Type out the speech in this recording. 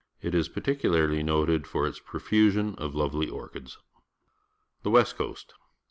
It is particularly pote d for its pro fusion of l ovely orchid s. The West Coast.